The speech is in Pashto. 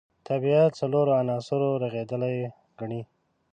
طبیعت څلورو عناصرو رغېدلی ګڼي.